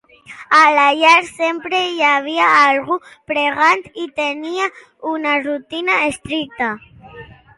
A la llar sempre hi havia algú pregant i tenia una rutina estricta.